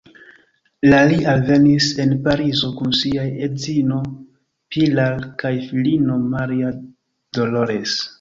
La li alvenis en Parizo kun siaj edzino Pilar kaj filino Maria Dolores.